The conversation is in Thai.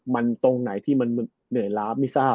มันตรงไหนที่มันเหนื่อยล้าไม่ทราบ